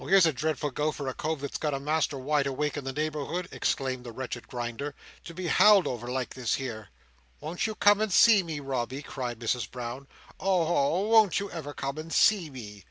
"Oh here's a dreadful go for a cove that's got a master wide awake in the neighbourhood!" exclaimed the wretched Grinder. "To be howled over like this here!" "Won't you come and see me, Robby?" cried Mrs Brown. "Oho, won't you ever come and see me?"